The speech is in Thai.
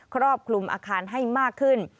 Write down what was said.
ครอบคลุมอาคารให้มากขึ้น